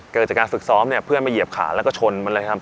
เกิดจากการฝึกซ้อมเนี่ยเพื่อนมาเหยียบขาแล้วก็ชนมันเลยครับ